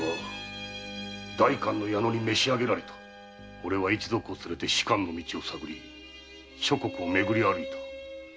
おれは一族を連れて仕官の道を探り諸国を巡り歩いた。